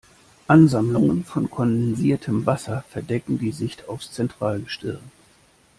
Ansammlungen von kondensiertem Wasser verdecken die Sicht aufs Zentralgestirn.